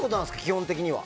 基本的には。